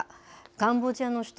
カンボジアの首都